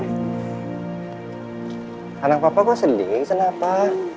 hai panang papa kau sendiri kenapa